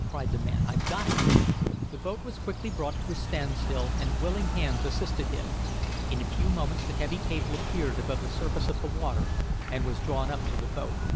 cried the man. "I've got it!" The boat was quickly brought to a standstill, and willing hands assisted him. In a few moments the heavy cable appeared above the surface of the water and was drawn up to the boat.